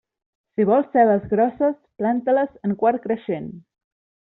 Si vols cebes grosses, planta-les en quart creixent.